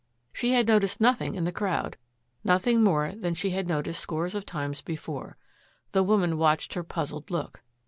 She had noticed nothing in the crowd, nothing more than she had noticed scores of times before. The woman watched her puzzled look.